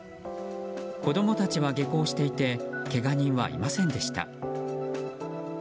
子供たちは下校していてけが人はいませんでした。